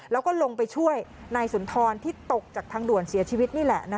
แล้วก็ลงไปช่วยนายสุนทรที่ตกจากทางด่วนเสียชีวิตนี่แหละ